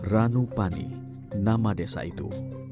ranupani nama desa itu